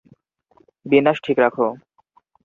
বিন্যাস ঠিক রাখ!